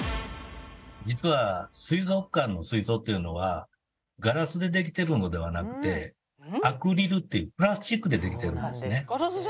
実は水族館の水槽というのはガラスでできてるのではなくてアクリルというプラスチックでできてるんですね。